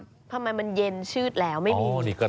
ทำไมมันเย็นชืดแล้วไม่มี